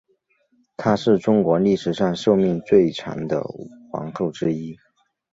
她是中国历史上寿命最长的皇后之一。